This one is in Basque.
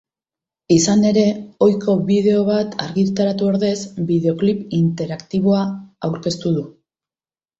Izan ere, ohiko bideo bat argitaratu ordez, bideoklip interaktiboa aurkeztu du.